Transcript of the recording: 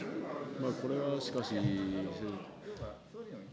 これはしかし。